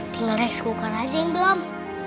tinggal resko kar aja yang belum